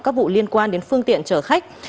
các vụ liên quan đến phương tiện chở khách